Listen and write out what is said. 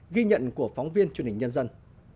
ghi nhận của phóng viên chương trình nhân dân